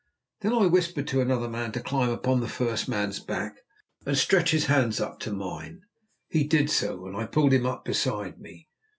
Then I whispered to another man to climb upon the first man's back, and stretch his hands up to mine. He did so, and I pulled him up beside me.